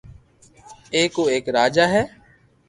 ھي او ايڪ راجا ھي